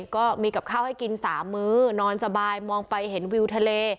ก็มีกับข้าวให้กิน๓มื้อนอนสบายมองไปเห็นวิวทะเล